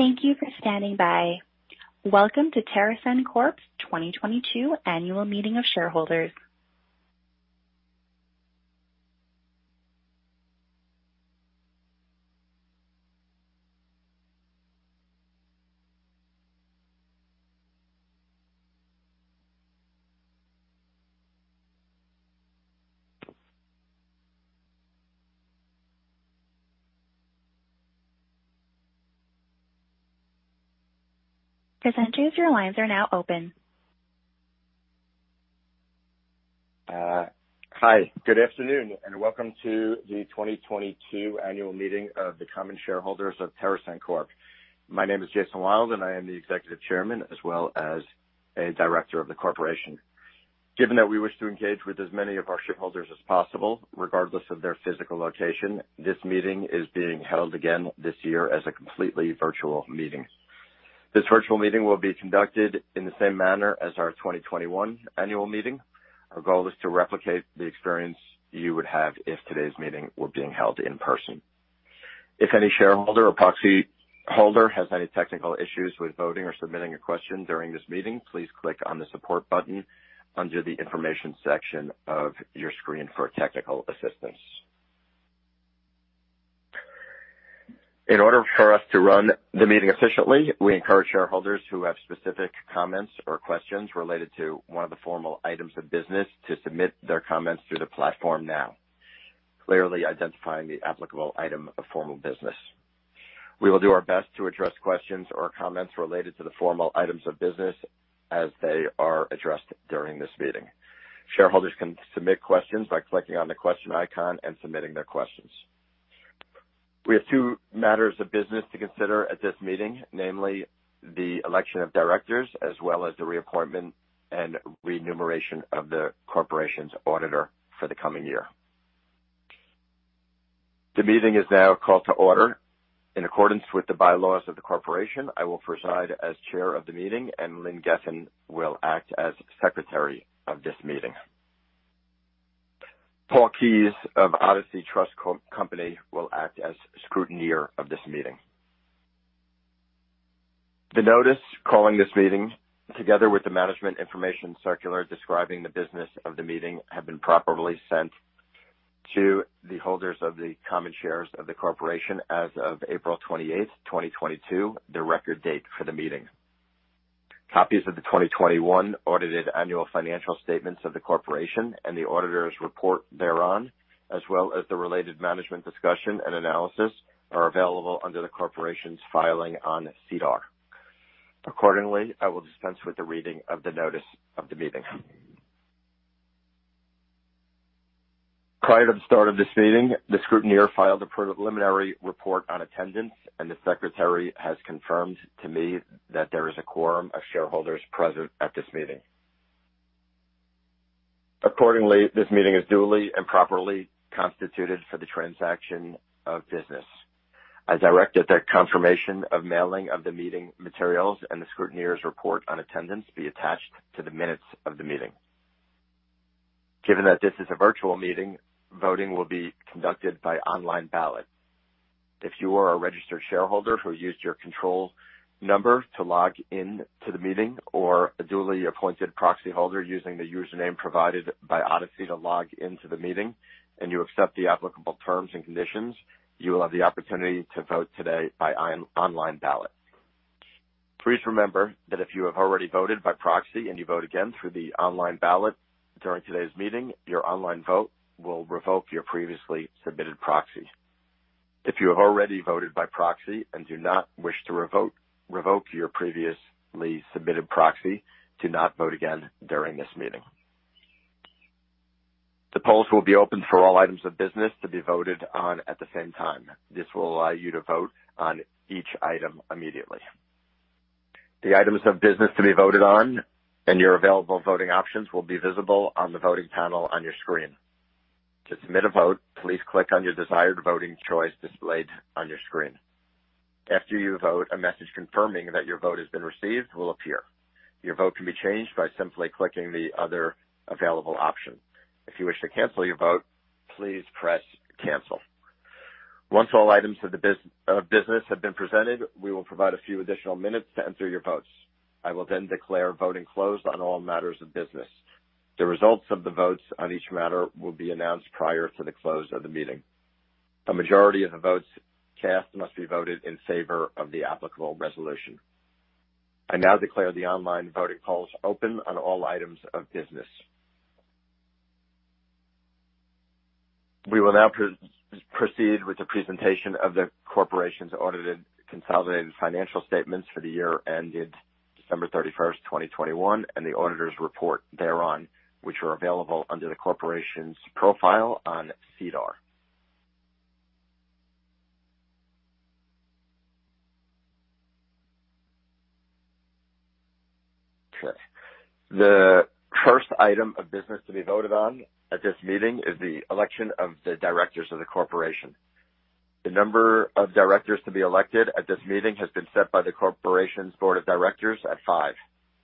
Thank you for standing by. Welcome to TerrAscend Corp.'s 2022 Annual Meeting of Shareholders. Presenters, your lines are now open. Hi. Good afternoon, and welcome to the 2022 Annual Meeting of the Common Shareholders of TerrAscend Corp. My name is Jason Wild, and I am the Executive Chairman as well as a Director of the corporation. Given that we wish to engage with as many of our shareholders as possible, regardless of their physical location, this meeting is being held again this year as a completely virtual meeting. This virtual meeting will be conducted in the same manner as our 2021 annual meeting. Our goal is to replicate the experience you would have if today's meeting were being held in person. If any shareholder or proxy holder has any technical issues with voting or submitting a question during this meeting, please click on the Support button under the Information section of your screen for technical assistance. In order for us to run the meeting efficiently, we encourage shareholders who have specific comments or questions related to one of the formal items of business to submit their comments through the platform now, clearly identifying the applicable item of formal business. We will do our best to address questions or comments related to the formal items of business as they are addressed during this meeting. Shareholders can submit questions by clicking on the question icon and submitting their questions. We have two matters of business to consider at this meeting, namely the election of directors, as well as the reappointment and remuneration of the corporation's auditor for the coming year. The meeting is now called to order. In accordance with the bylaws of the corporation, I will preside as Chair of the meeting, and Lynn Gefen will act as Secretary of this meeting. Paul Keyes of Odyssey Trust Company will act as Scrutineer of this meeting. The notice calling this meeting, together with the management information circular describing the business of the meeting, have been properly sent to the holders of the common shares of the corporation as of April 28, 2022, the record date for the meeting. Copies of the 2021 audited annual financial statements of the corporation and the auditor's report thereon, as well as the related management discussion and analysis, are available under the corporation's filing on SEDAR. Accordingly, I will dispense with the reading of the notice of the meeting. Prior to the start of this meeting, the scrutineer filed a preliminary report on attendance, and the Secretary has confirmed to me that there is a quorum of shareholders present at this meeting. Accordingly, this meeting is duly and properly constituted for the transaction of business. I direct that the confirmation of mailing of the meeting materials and the scrutineer's report on attendance be attached to the minutes of the meeting. Given that this is a virtual meeting, voting will be conducted by online ballot. If you are a registered shareholder who used your control number to log in to the meeting or a duly appointed proxy holder using the username provided by Odyssey to log into the meeting and you accept the applicable terms and conditions, you will have the opportunity to vote today by online ballot. Please remember that if you have already voted by proxy and you vote again through the online ballot during today's meeting, your online vote will revoke your previously submitted proxy. If you have already voted by proxy and do not wish to revoke your previously submitted proxy, do not vote again during this meeting. The polls will be open for all items of business to be voted on at the same time. This will allow you to vote on each item immediately. The items of business to be voted on and your available voting options will be visible on the voting panel on your screen. To submit a vote, please click on your desired voting choice displayed on your screen. After you vote, a message confirming that your vote has been received will appear. Your vote can be changed by simply clicking the other available option. If you wish to cancel your vote, please press Cancel. Once all items of business have been presented, we will provide a few additional minutes to enter your votes. I will then declare voting closed on all matters of business. The results of the votes on each matter will be announced prior to the close of the meeting. A majority of the votes cast must be voted in favor of the applicable resolution. I now declare the online voting polls open on all items of business. We will now proceed with the presentation of the corporation's audited consolidated financial statements for the year ended December 31, 2021, and the auditor's report thereon, which are available under the corporation's profile on SEDAR. Okay. The first item of business to be voted on at this meeting is the election of the directors of the corporation. The number of directors to be elected at this meeting has been set by the corporation's board of directors at five.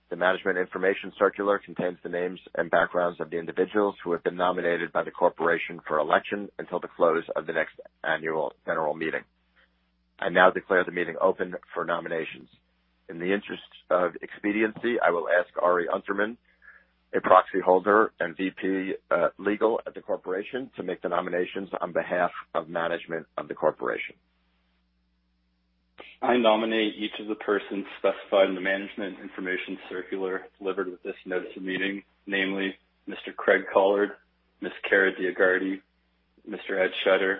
The management information circular contains the names and backgrounds of the individuals who have been nominated by the corporation for election until the close of the next annual general meeting. I now declare the meeting open for nominations. In the interest of expediency, I will ask Ari Unterman, a proxy holder and VP, legal at the corporation, to make the nominations on behalf of management of the corporation. I nominate each of the persons specified in the management information circular delivered with this notice of meeting, namely Mr. Craig Collard, Ms. Kara DioGuardi, Mr. Ed Schutter,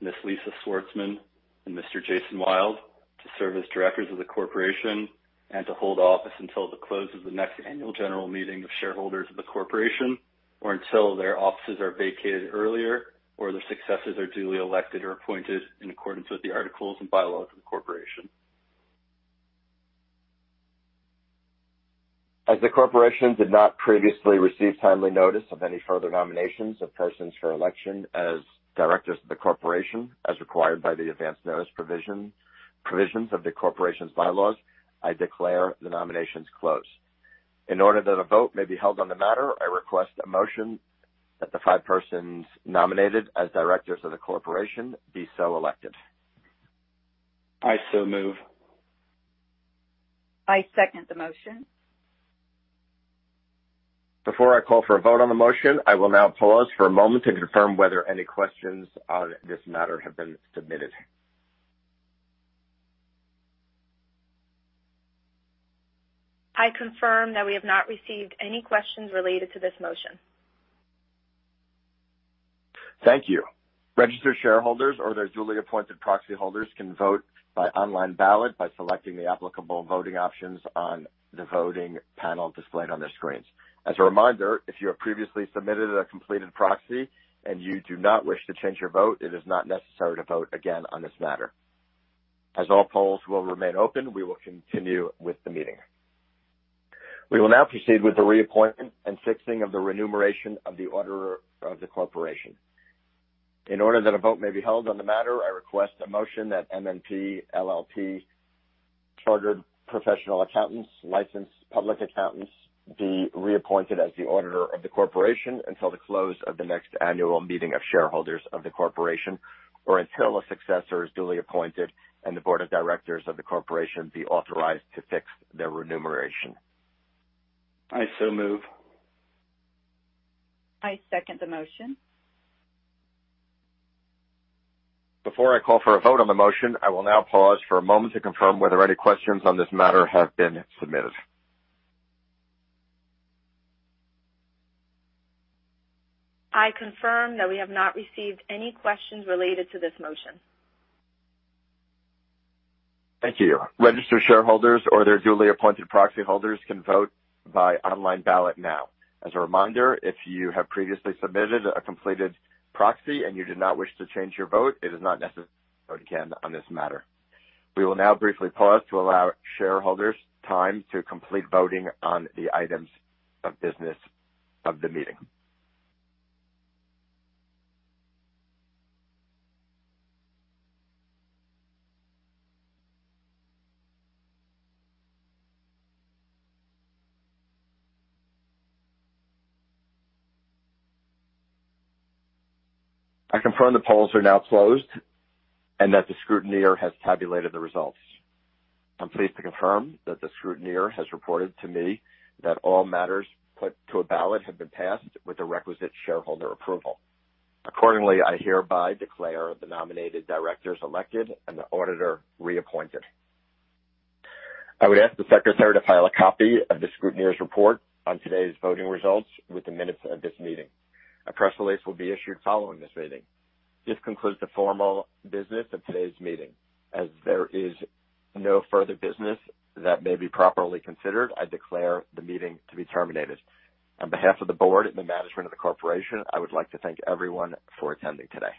Ms. Lisa Swartzman, and Mr. Jason Wild to serve as directors of the corporation and to hold office until the close of the next annual general meeting of shareholders of the corporation, or until their offices are vacated earlier, or their successors are duly elected or appointed in accordance with the articles and bylaws of the corporation. As the corporation did not previously receive timely notice of any further nominations of persons for election as directors of the corporation, as required by the advance notice provision, provisions of the corporation's bylaws, I declare the nominations closed. In order that a vote may be held on the matter, I request a motion that the five persons nominated as directors of the corporation be so elected. I so move. I second the motion. Before I call for a vote on the motion, I will now pause for a moment to confirm whether any questions on this matter have been submitted. I confirm that we have not received any questions related to this motion. Thank you. Registered shareholders or their duly appointed proxy holders can vote by online ballot by selecting the applicable voting options on the voting panel displayed on their screens. As a reminder, if you have previously submitted a completed proxy and you do not wish to change your vote, it is not necessary to vote again on this matter. As all polls will remain open, we will continue with the meeting. We will now proceed with the reappointment and fixing of the remuneration of the auditor of the corporation. In order that a vote may be held on the matter, I request a motion that MNP LLP Chartered Professional Accountants, licensed public accountants be reappointed as the auditor of the corporation until the close of the next annual meeting of shareholders of the corporation, or until a successor is duly appointed and the board of directors of the corporation be authorized to fix their remuneration. I so move. I second the motion. Before I call for a vote on the motion, I will now pause for a moment to confirm whether any questions on this matter have been submitted. I confirm that we have not received any questions related to this motion. Thank you. Registered shareholders or their duly appointed proxy holders can vote by online ballot now. As a reminder, if you have previously submitted a completed proxy and you do not wish to change your vote, it is not necessary to vote again on this matter. We will now briefly pause to allow shareholders time to complete voting on the items of business of the meeting. I confirm the polls are now closed and that the scrutineer has tabulated the results. I'm pleased to confirm that the scrutineer has reported to me that all matters put to a ballot have been passed with the requisite shareholder approval. Accordingly, I hereby declare the nominated directors elected and the auditor reappointed. I would ask the secretary to file a copy of the scrutineer's report on today's voting results with the minutes of this meeting. A press release will be issued following this meeting. This concludes the formal business of today's meeting. As there is no further business that may be properly considered, I declare the meeting to be terminated. On behalf of the board and the management of the corporation, I would like to thank everyone for attending today.